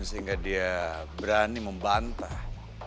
sehingga dia berani membantah